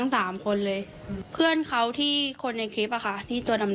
แต่เขาไม่ได้อยู่ในการ